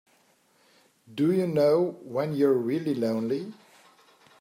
Do you know when you're really lonely?